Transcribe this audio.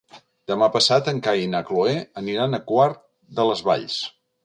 Demà passat en Cai i na Cloè aniran a Quart de les Valls.